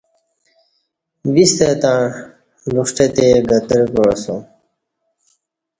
وِ ستہ تݩع لُݜٹہ تے گترہ کعاسوم